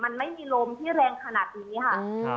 มันไม่มีลมที่แรงขนาดนี้ค่ะ